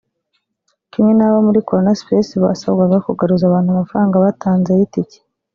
kimwe n'abo muri Corona Space basabwaga kugaruza abantu amafaranga batanze y'itike